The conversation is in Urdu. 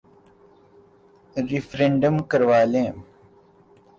ریفرنڈم کروا لیں۔